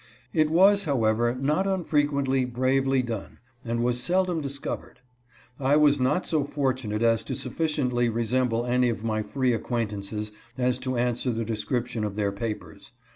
It was, however, not unfrequently bravely done, and was seldom discovered. I was not so fortunate as to sufficiently resemble any of my free acquaintances as to answer the description of their papers.